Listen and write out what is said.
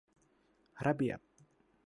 ระเบียบ